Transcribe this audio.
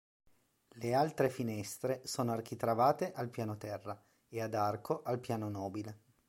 Le altre finestre sono architravate al piano terra e ad arco al piano nobile.